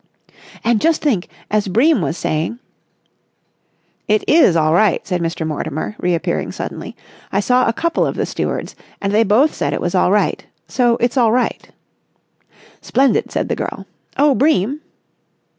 "And just think! As Bream was saying...." "It is all right," said Mr. Mortimer, reappearing suddenly. "I saw a couple of the stewards and they both said it was all right. So it's all right." "Splendid," said the girl. "Oh, Bream!"